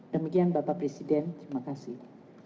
demikian bapak presiden terima kasih